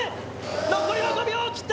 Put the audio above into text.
残りは５秒を切った。